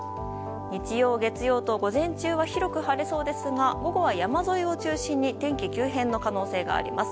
日曜、月曜と午前中は広く晴れそうですが午後は山沿いを中心に天気急変の可能性があります。